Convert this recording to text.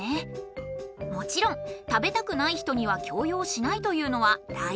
もちろん食べたくない人には強要しないというのは大事なことです。